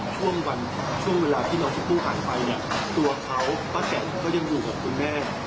ช่วงวันช่วงเวลาที่น้องชมพู่หายไปเนี่ยตัวเขาป้าแจมก็ยังอยู่กับคุณแม่